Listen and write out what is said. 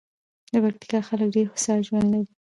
د پکتیکا خلک ډېر هوسا ژوند لري.